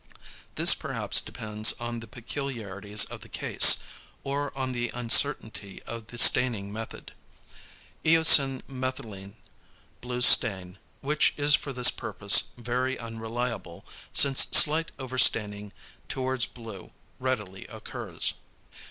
This perhaps depends on the peculiarities of the case, or on the uncertainty of the staining method: eosine methylene blue stain, which is for this purpose very unreliable, since slight overstaining towards blue readily occurs.